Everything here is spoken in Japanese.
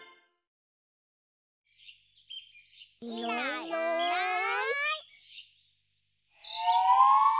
いないいない。